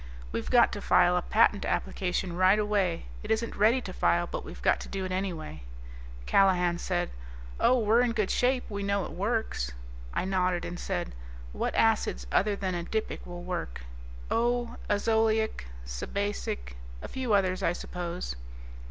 "We've got to file a patent application right away. It isn't ready to file, but we've got to do it anyway." Callahan said, "Oh, we're in good shape. We know it works." I nodded and said, "What acids other than adipic will work?" "Oh, azoleic, sebacic, a few others, I suppose."